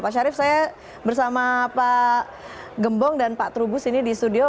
pak syarif saya bersama pak gembong dan pak trubus ini di studio